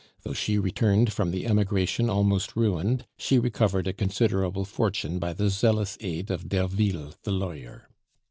Though she returned from the Emigration almost ruined, she recovered a considerable fortune by the zealous aid of Derville the lawyer.